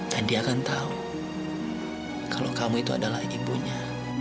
dan dia akan tahu kalau kamu itu adalah ibunya